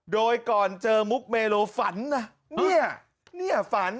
โดยก่อนเจอมุกเมโลฝันนะเนี่ยฝัน